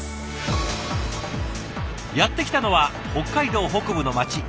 やって来たのは北海道北部の町